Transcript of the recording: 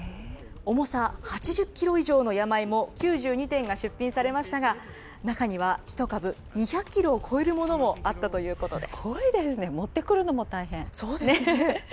重さ８０キロ以上の山芋９２点が出品されましたが、中には１株２００キロを超えるものもあったということです。